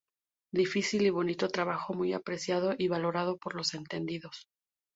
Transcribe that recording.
Difícil y bonito trabajo muy apreciado y valorado por los entendidos.